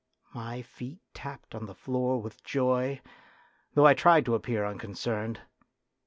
My feet tapped on the floor with joy, though I tried to appear unconcerned.